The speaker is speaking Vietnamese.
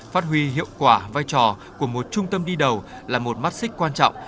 phát huy hiệu quả vai trò của một trung tâm đi đầu là một mắt xích quan trọng